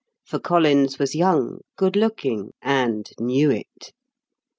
For Collins was young, good looking, and knew it.